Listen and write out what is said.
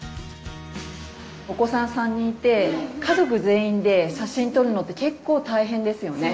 お子さん３人いて家族全員で写真撮るのって結構大変ですよね。